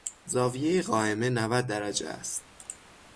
زاویهی قائمه نود درجه است.